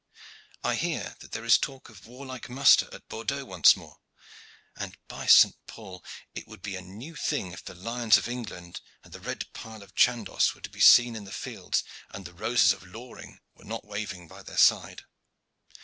I hear that there is talk of warlike muster at Bordeaux once more, and by St. Paul! it would be a new thing if the lions of England and the red pile of Chandos were to be seen in the field, and the roses of Loring were not waving by their side."